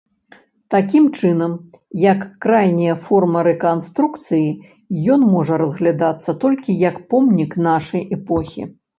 Такім чынам, як крайняя форма рэканструкцыі ён можа разглядацца толькі як помнік нашай эпохі.